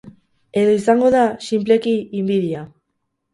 Edo izango da, sinpleki, inbidia.